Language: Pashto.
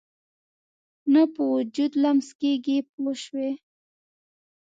نه په وجود لمس کېږي پوه شوې!.